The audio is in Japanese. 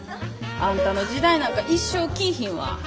あんたの時代なんか一生来ぃひんわ。